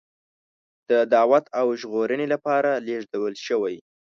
د دعوت او ژغورنې لپاره لېږل شوی.